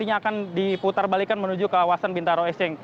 kita akan diputar balikan menuju kawasan bintaro eseng